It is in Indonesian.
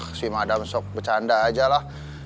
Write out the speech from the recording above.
ah si madam sok bercanda aja lah